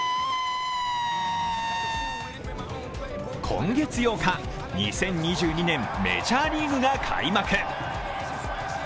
今月８日、２０２２年メジャーリーグが開幕。